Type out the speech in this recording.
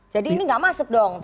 jadi ini gak masuk dong tadi